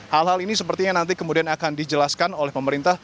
hal hal ini sepertinya nanti kemudian akan dijelaskan oleh pemerintah